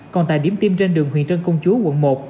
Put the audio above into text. còn tại điểm tiêm trên đường huyền trân công chúa quận một